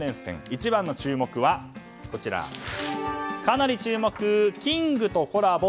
一番の注目はかなり注目キングとコラボ。